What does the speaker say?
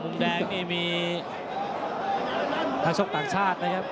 แม่มุมแดงนี่มีทางชกต่างชาตินะครับ